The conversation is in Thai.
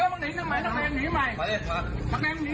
เรื่องราวใหญ่โตถึงจะคั่นฆ่ากันตายแบบนี้